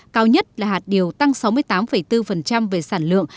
cao nhất là hạt điều tăng sáu mươi tám bốn về sản lượng